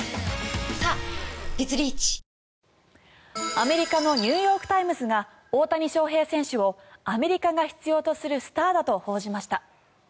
アメリカのニューヨーク・タイムズが大谷翔平選手をアメリカが必要とするスターだと報じました。